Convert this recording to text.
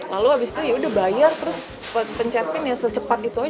lalu habis itu ya sudah bayar terus pencetin ya secepat itu saja